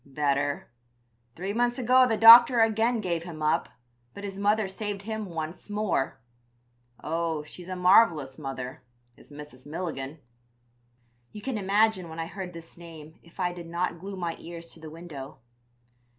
"'Better. Three months ago the doctors again gave him up, but his mother saved him once more. Oh, she's a marvelous mother, is Mrs. Milligan.' "You can imagine when I heard this name if I did not glue my ears to the window.